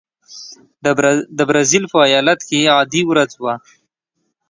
د برازیل په ایالت کې عادي ورځ وه.